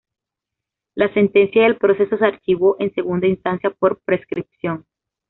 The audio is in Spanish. La sentencia y el proceso se archivó en segunda instancia por prescripción.